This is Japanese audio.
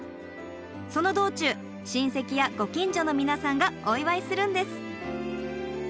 その道中親戚やご近所の皆さんがお祝いするんです。